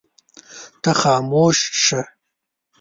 ته خاموش شه.